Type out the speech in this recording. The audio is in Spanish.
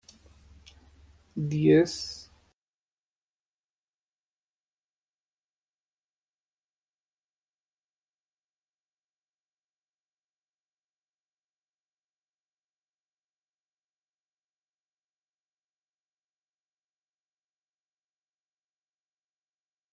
Posteriormente ejerció diversos oficios, como minero, panadero y agente inmobiliario.